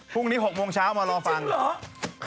พรุ่งนี้๖โมงเช้ามารอฟังฟัง๙๐๓๐๐๒จริงเหรอ